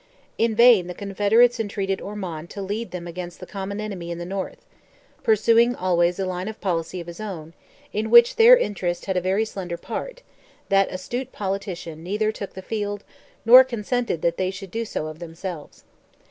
In vain the Confederates entreated Ormond to lead them against the common enemy in the North; pursuing always a line of policy of his own, in which their interest had a very slender part, that astute politician neither took the field, nor consented that they should do so of themselves.